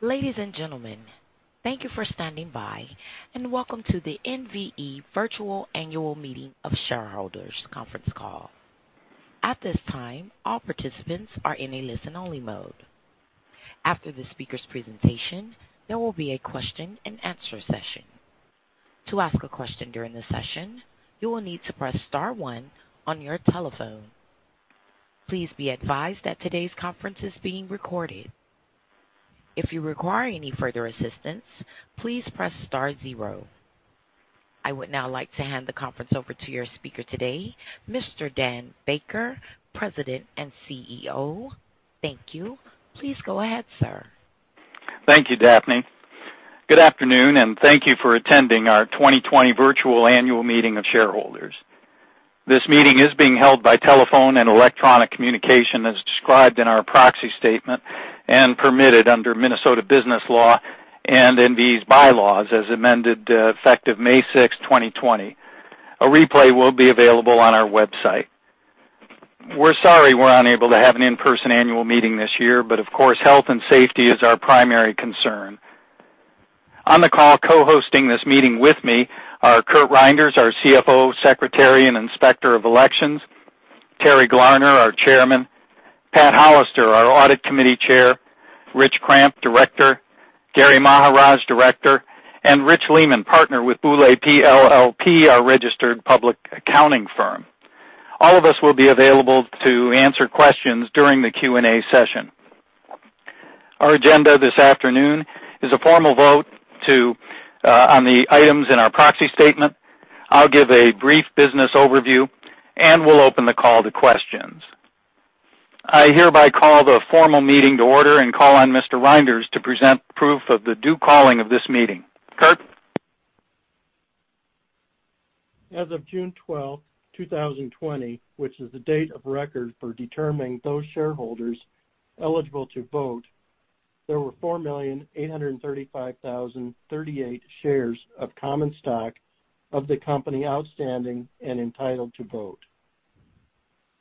Ladies and gentlemen, thank you for standing by, and welcome to the NVE Virtual Annual Meeting of Shareholders conference call. At this time, all participants are in a listen-only mode. After the speaker's presentation, there will be a question-and-answer session. To ask a question during the session, you will need to press star one on your telephone. Please be advised that today's conference is being recorded. If you require any further assistance, please press star zero. I would now like to hand the conference over to your speaker today, Mr. Dan Baker, President and CEO. Thank you. Please go ahead, sir. Thank you, Daphne. Good afternoon, thank you for attending our 2020 Virtual Annual Meeting of Shareholders. This meeting is being held by telephone and electronic communication as described in our proxy statement and permitted under Minnesota business law and NVE's bylaws as amended effective May 6th, 2020. A replay will be available on our website. We're sorry we're unable to have an in-person annual meeting this year. Of course, health and safety is our primary concern. On the call co-hosting this meeting with me are Curt Reynders, our CFO, Secretary, and Inspector of Elections; Terry Glarner, our Chairman; Pat Hollister, our Audit Committee Chair; Rich Kramp, Director; Gary Maharaj, Director; and Rich Lehman, partner with Boulay PLLP, our registered public accounting firm. All of us will be available to answer questions during the Q&A session. Our agenda this afternoon is a formal vote on the items in our proxy statement. I'll give a brief business overview, and we'll open the call to questions. I hereby call the formal meeting to order and call on Mr. Reynders to present proof of the due calling of this meeting. Curt? As of June 12th, 2020, which is the date of record for determining those shareholders eligible to vote, there were 4,835,038 shares of common stock of the company outstanding and entitled to vote.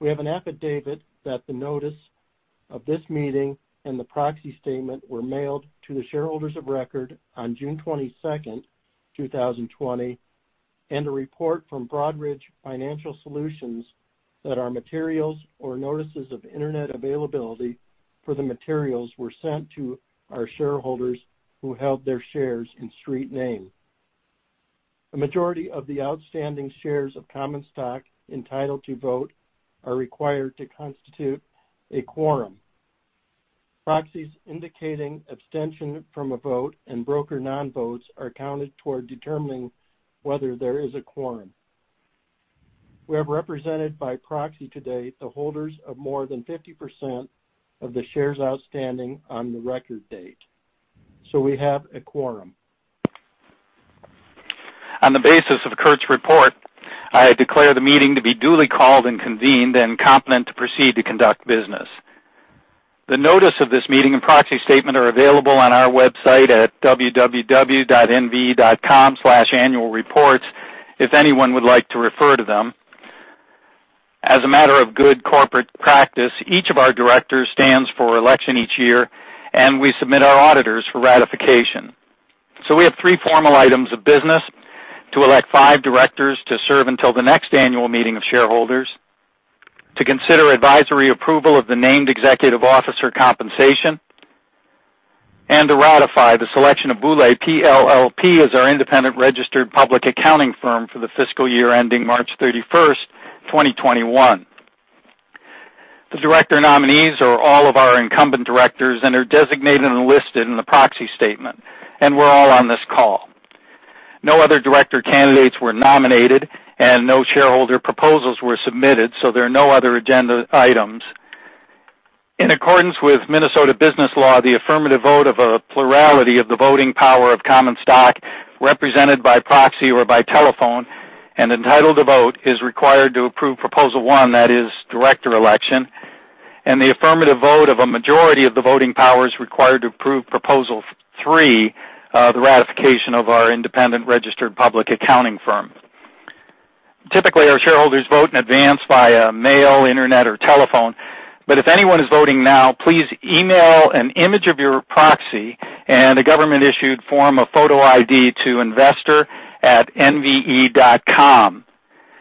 We have an affidavit that the notice of this meeting and the proxy statement were mailed to the shareholders of record on June 22nd, 2020, and a report from Broadridge Financial Solutions that our materials or notices of internet availability for the materials were sent to our shareholders who held their shares in street name. A majority of the outstanding shares of common stock entitled to vote are required to constitute a quorum. Proxies indicating abstention from a vote and broker non-votes are counted toward determining whether there is a quorum. We have represented by proxy today the holders of more than 50% of the shares outstanding on the record date. We have a quorum. On the basis of Curt's report, I declare the meeting to be duly called and convened and competent to proceed to conduct business. The notice of this meeting and proxy statement are available on our website at www.nve.com/annualreports if anyone would like to refer to them. As a matter of good corporate practice, each of our directors stands for election each year, and we submit our auditors for ratification. We have three formal items of business: to elect five directors to serve until the next annual meeting of shareholders, to consider advisory approval of the named executive officer compensation, and to ratify the selection of Boulay PLLP as our independent registered public accounting firm for the fiscal year ending March 31st, 2021. The director nominees are all of our incumbent directors and are designated and listed in the proxy statement, and we're all on this call. No other director candidates were nominated, and no shareholder proposals were submitted, so there are no other agenda items. In accordance with Minnesota business law, the affirmative vote of a plurality of the voting power of common stock, represented by proxy or by telephone and entitled to vote, is required to approve Proposal 1, that is director election, and the affirmative vote of a majority of the voting power is required to approve Proposal Three, the ratification of our independent registered public accounting firm. Typically, our shareholders vote in advance via mail, internet, or telephone, but if anyone is voting now, please email an image of your proxy and a government-issued form of photo ID to investor@nve.com.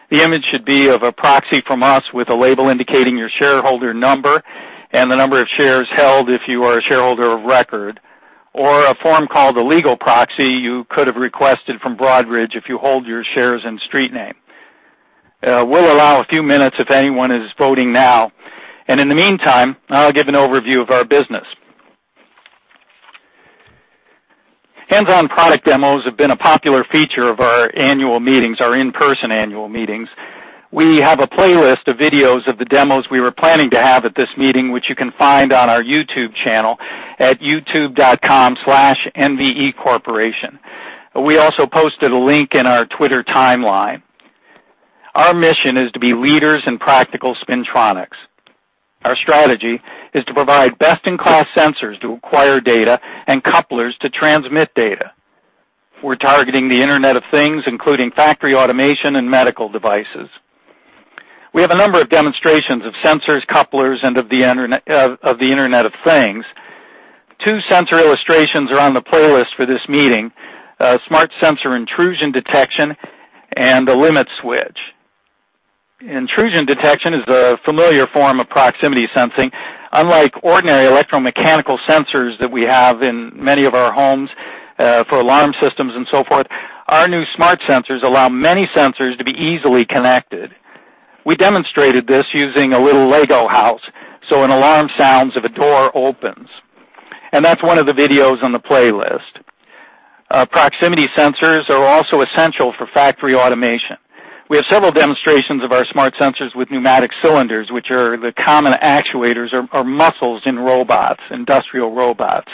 The image should be of a proxy from us with a label indicating your shareholder number and the number of shares held, if you are a shareholder of record, or a form called a legal proxy you could have requested from Broadridge if you hold your shares in street name. We'll allow a few minutes if anyone is voting now, and in the meantime, I'll give an overview of our business. Hands-on product demos have been a popular feature of our annual meetings, our in-person annual meetings. We have a playlist of videos of the demos we were planning to have at this meeting, which you can find on our YouTube channel at youtube.com/nvecorporation. We also posted a link in our Twitter timeline. Our mission is to be leaders in practical spintronics. Our strategy is to provide best-in-class sensors to acquire data and couplers to transmit data. We're targeting the Internet of Things, including factory automation and medical devices. We have a number of demonstrations of sensors, couplers, and of the Internet of Things. Two sensor illustrations are on the playlist for this meeting: Smart Sensors intrusion detection, and a limit switch. Intrusion detection is the familiar form of proximity sensing. Unlike ordinary electromechanical sensors that we have in many of our homes for alarm systems and so forth, our new Smart Sensors allow many sensors to be easily connected. We demonstrated this using a little Lego house, an alarm sounds if a door opens. That's one of the videos on the playlist. Proximity sensors are also essential for factory automation. We have several demonstrations of our Smart Sensors with pneumatic cylinders, which are the common actuators or muscles in industrial robots.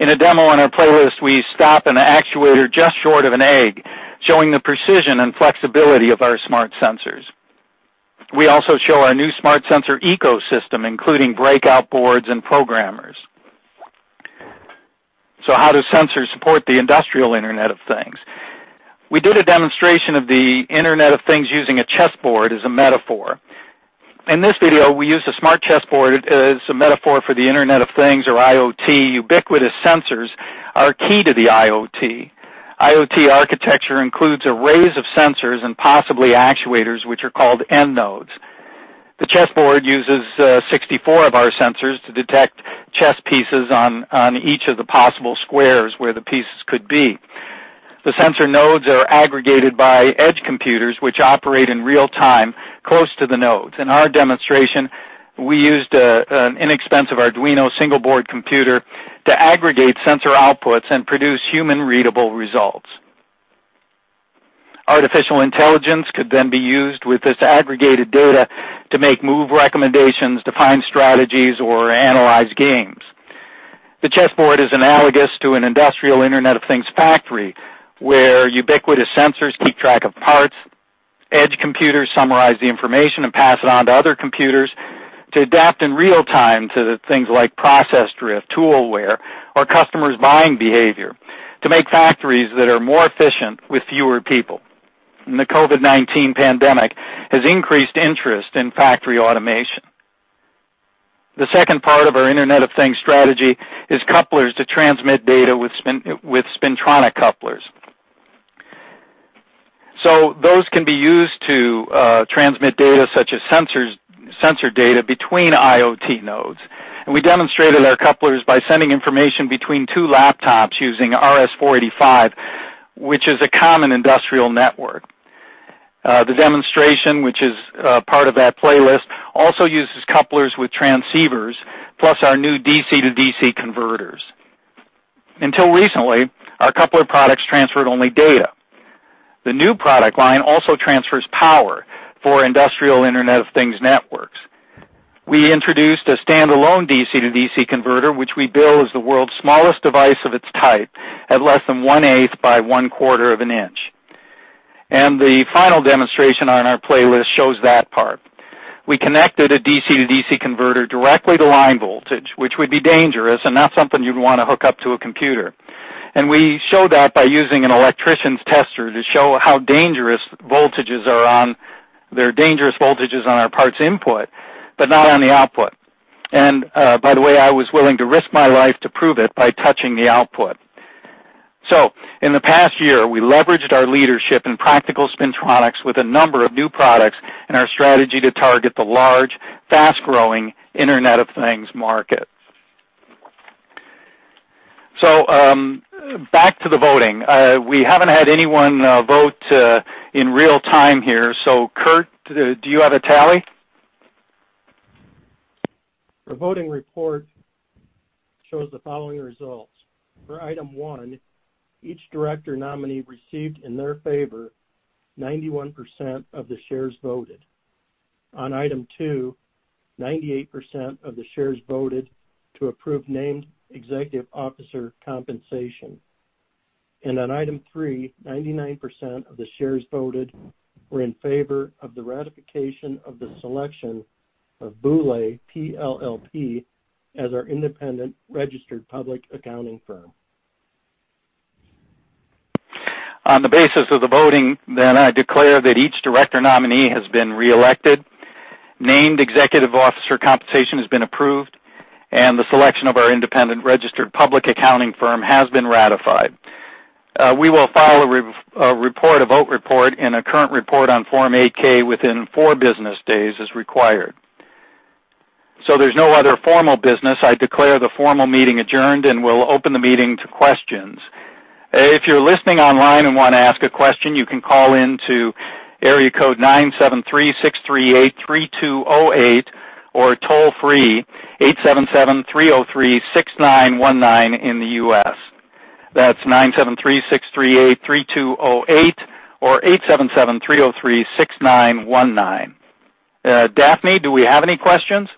In a demo on our playlist, we stop an actuator just short of an egg, showing the precision and flexibility of our Smart Sensors. We also show our new Smart Sensor ecosystem, including breakout boards and programmers. How do sensors support the industrial Internet of Things? We did a demonstration of the Internet of Things using a chessboard as a metaphor. In this video, we use a smart chessboard as a metaphor for the Internet of Things or IoT. Ubiquitous sensors are key to the IoT. IoT architecture includes arrays of sensors and possibly actuators, which are called end nodes. The chessboard uses 64 of our sensors to detect chess pieces on each of the possible squares where the pieces could be. The sensor nodes are aggregated by edge computers, which operate in real-time close to the nodes. In our demonstration, we used an inexpensive Arduino single board computer to aggregate sensor outputs and produce human-readable results. Artificial intelligence could be used with this aggregated data to make move recommendations, define strategies, or analyze games. The chessboard is analogous to an industrial Internet of Things factory, where ubiquitous sensors keep track of parts, edge computers summarize the information and pass it on to other computers to adapt in real time to the things like process drift, tool wear, or customers' buying behavior to make factories that are more efficient with fewer people. The COVID-19 pandemic has increased interest in factory automation. The second part of our Internet of Things strategy is couplers to transmit data with spintronic couplers. Those can be used to transmit data such as sensor data between IoT nodes. We demonstrated our couplers by sending information between two laptops using RS-485, which is a common industrial network. The demonstration, which is part of that playlist, also uses couplers with transceivers, plus our new DC-to-DC converters. Until recently, our coupler products transferred only data. The new product line also transfers power for industrial Internet of Things networks. We introduced a standalone DC-to-DC converter, which we bill as the world's smallest device of its type, at less than one-eighth by one-quarter of an inch. The final demonstration on our playlist shows that part. We connected a DC-to-DC converter directly to line voltage, which would be dangerous and not something you'd want to hook up to a computer. We show that by using an electrician's tester to show how there are dangerous voltages on our part's input, but not on the output. By the way, I was willing to risk my life to prove it by touching the output. In the past year, we leveraged our leadership in practical spintronics with a number of new products in our strategy to target the large, fast-growing Internet of Things market. Back to the voting. We haven't had anyone vote in real time here. Curt, do you have a tally? The voting report shows the following results. For item one, each director nominee received in their favor 91% of the shares voted. On item two, 98% of the shares voted to approve named executive officer compensation. On item three, 99% of the shares voted were in favor of the ratification of the selection of Boulay PLLP as our independent registered public accounting firm. On the basis of the voting, then, I declare that each director nominee has been reelected, named executive officer compensation has been approved, and the selection of our independent registered public accounting firm has been ratified. We will file a vote report and a current report on Form 8-K within four business days as required. There's no other formal business. I declare the formal meeting adjourned and will open the meeting to questions. If you're listening online and want to ask a question, you can call in to area code 973-638-3208 or toll-free 877-303-6919 in the U.S. That's 973-638-3208 or 877-303-6919. Daphne, do we have any questions?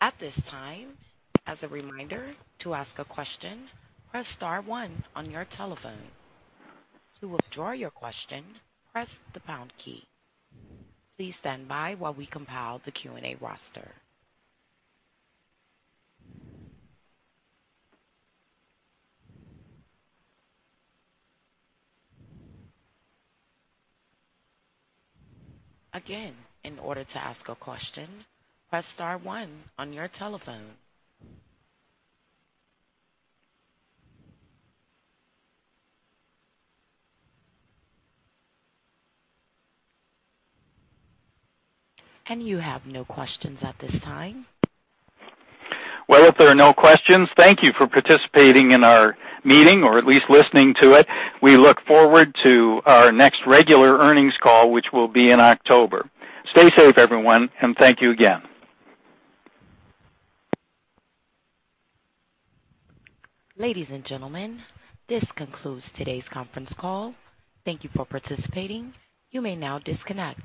At this time, as a reminder, to ask a question, press star one on your telephone. To withdraw your question, press the pound key. Please stand by while we compile the Q&A roster. Again, in order to ask a question, press star one on your telephone. And you have no questions at this time. Well, if there are no questions, thank you for participating in our meeting, or at least listening to it. We look forward to our next regular earnings call, which will be in October. Stay safe, everyone, and thank you again. Ladies and gentlemen, this concludes today's conference call. Thank you for participating. You may now disconnect.